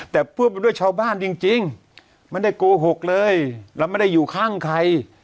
แต่พูดไปด้วยชาวบ้านจริงไม่ได้โกหกเลยเราไม่ได้อยู่ข้างใคร